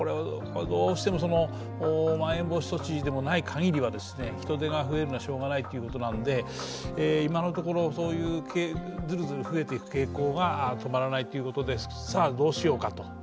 どうしてもまん延防止措置でもないかぎりは人出が増えるのはしようがないというので、今のところ、ずるずる増えていく傾向が止まらないということでさあどうしようかと。